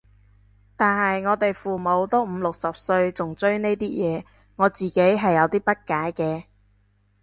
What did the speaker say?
但係我哋父母都五六十歲仲追呢啲嘢，我自己係有啲不解嘅